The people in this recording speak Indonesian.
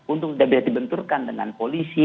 untuk tidak bisa dibenturkan dengan polisi